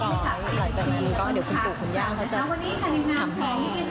อร่อยจากนั้นก็เดี๋ยวคุณปลูกคุณย่างเค้าจะถามให้